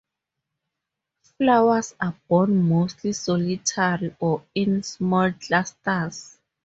Flowers are borne mostly solitary or in small clusters.